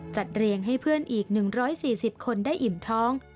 เรียงให้เพื่อนอีก๑๔๐คนได้อิ่มท้อง